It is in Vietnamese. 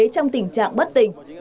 trong tình trạng bất tình